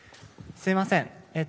すみません。